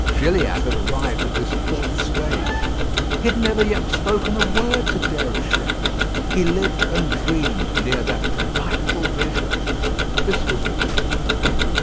Gilliatt had arrived at this fourth stage. He had never yet spoken a word to Déruchette. He lived and dreamed near that delightful vision. This was all.